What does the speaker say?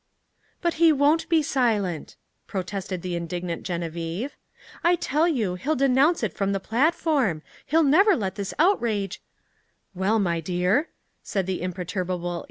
'" "But he won't be silent," protested the indignant Geneviève. "I tell you, he'll denounce it from the platform. He'll never let this outrage " "Well, my dear," said the imperturbable E.